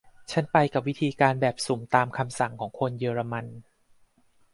ฉันไปกับวิธีการแบบสุ่มตามคำสั่งของคนเยอรมัน